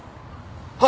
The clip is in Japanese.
はい！